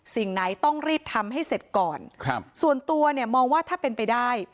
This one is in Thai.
สิ่งไหนต้องรีบทำให้เสร็จก่อนครับส่วนตัวเนี่ยมองว่าถ้าเป็นไปได้